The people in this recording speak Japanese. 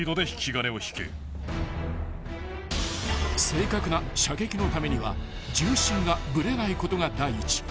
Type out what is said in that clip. ［正確な射撃のためには銃身がぶれないことが第一］